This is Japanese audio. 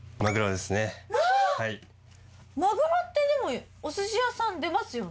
マグロってでもお寿司屋さん出ますよね？